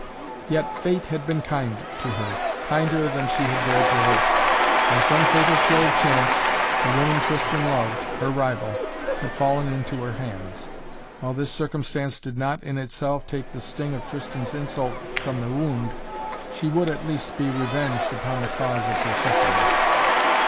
Yet, fate had been kind to her, kinder than she had dared to hope. By some fatal throw of chance the woman Tristan loved her rival had fallen into her hands. While this circumstance did not in itself take the sting of Tristan's insult from the wound, she would, at least, be revenged upon the cause of her suffering.